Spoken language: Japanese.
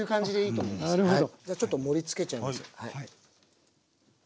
じゃあちょっと盛りつけちゃいます。